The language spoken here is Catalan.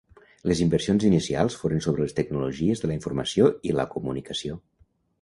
Les inversions inicials foren sobre les tecnologies de la informació i la comunicació.